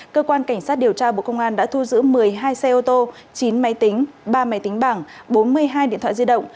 cơ quan cảnh sát điều tra bộ công an đã thu giữ một mươi hai xe ô tô chín máy tính ba máy tính bảng bốn mươi hai điện thoại di động